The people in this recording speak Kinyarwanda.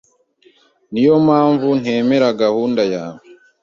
Niyo mpamvu ntemera gahunda yawe.